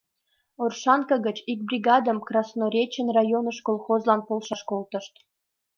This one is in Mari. Оршанка гыч ик бригадым Красноречен районыш колхозлан полшаш колтышт.